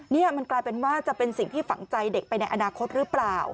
นี่มันกลายเป็นว่าจะเป็นสิ่งที่ฝังใจเด็กไปในอนาคตหรือเปล่า